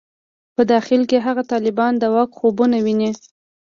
په داخل کې هغه طالبان د واک خوبونه ویني.